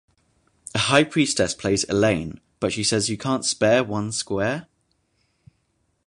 A high priestess plays Elaine, but she says You can't spare one square?